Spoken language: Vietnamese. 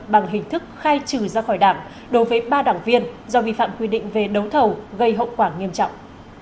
bằng hình thức khai trừ ra khỏi đảng đối với ba đảng viên do vi phạm quy định về đấu thầu gây hậu quả nghiêm trọng